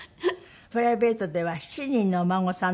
プライベートでは７人のお孫さんのおばあちゃん。